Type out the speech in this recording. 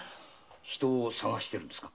人を捜してるんですか？